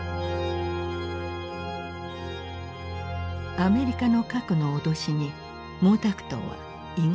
アメリカの核の脅しに毛沢東は意外な反応を見せる。